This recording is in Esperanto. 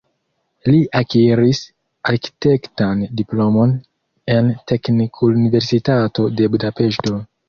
Li akiris arkitektan diplomon en Teknikuniversitato de Budapeŝto.